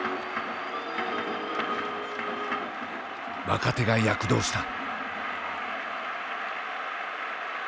若手が躍動した。